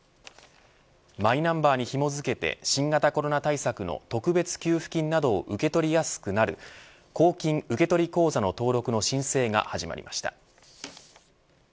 マイナンバーにひも付けて新型コロナ対策の特別給付金などを受け取りやすくなる公金受取口座の登録の申請が始まりました。